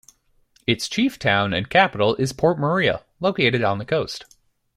Its chief town and capital is Port Maria, located on the coast.